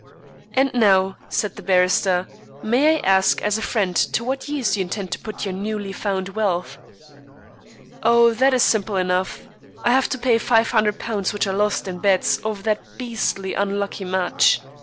"And now," said the barrister, "may I ask as a friend to what use you intend to put your newly found wealth?" "Oh, that is simple enough. I have to pay £500 which I lost in bets over that beastly unlucky match.